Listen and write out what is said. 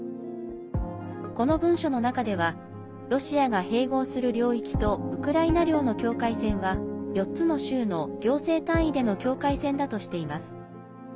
この文書の中ではロシアが併合する領域とウクライナ領の境界線は４つの州の行政単位での境界線だとしています。